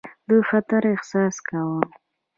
د خطر احساس کاوه.